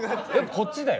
こっちだよ。